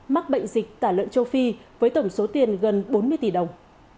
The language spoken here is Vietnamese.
mắc bệnh dịch tả lợn châu phi với tổng số tiền gần bốn mươi tỷ đồng